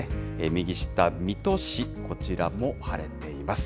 右下、水戸市、こちらも晴れています。